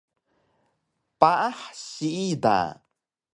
Paah siida